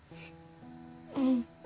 うん。